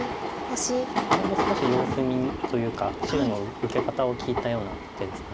これも少し様子見というか白の受け方を聞いたような手ですか。